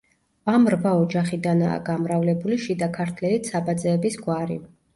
ამ რვა ოჯახიდანაა გამრავლებული შიდა ქართლელი ცაბაძეების გვარი.